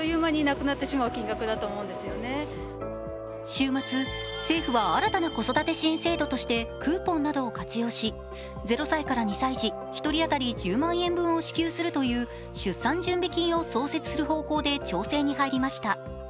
週末、政府は新たな子育て支援制度としてクーポンなどを活用し、０歳から２歳児、１人当たり１０万円分を支給するという出産準備金を創設する方向で調整に入りました。